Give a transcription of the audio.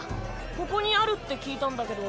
ここにあるって聞いたんだけど。